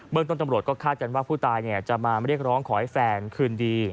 เมืองต้นตำรวจก็คาดกันว่าผู้ตายจะมาเรียกร้องขอให้แฟนคืนดี